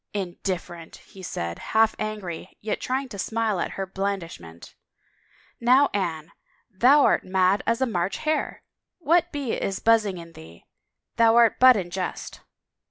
" Indifferent," he said, half angry, yet trying to smile at her in blandishment, " now, Anne, thou art mad as a March hare. What bee is buzzing in thee? Thou art but in jest."